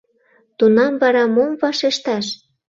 Тунам вара мом вашешташ?